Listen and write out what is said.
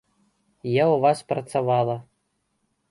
Я ў вас працавала.